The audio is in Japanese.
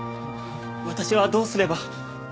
私はどうすれば？